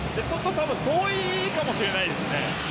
ちょっと多分遠いかもしれないですね。